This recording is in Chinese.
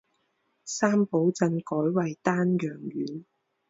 三堡镇改为丹阳县。